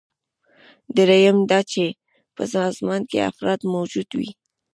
دریم دا چې په سازمان کې افراد موجود وي.